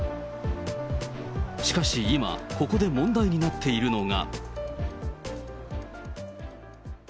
しかし今、ここで問題になっているのが。